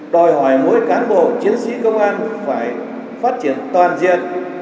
đòi hỏi mỗi cán bộ chiến sĩ công an phải phát triển toàn diện